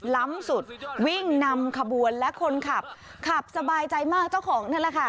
ล้ำสุดวิ่งนำขบวนและคนขับขับสบายใจมากเจ้าของนั่นแหละค่ะ